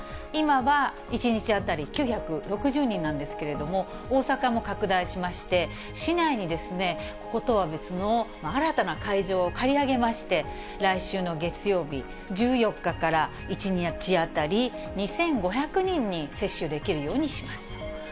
今は１日当たり９６０人なんですけれども、大阪も拡大しまして、市内にこことは別の新たな会場を借り上げまして、来週の月曜日１４日から、１日当たり２５００人に接種できるようにします。